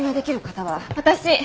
私。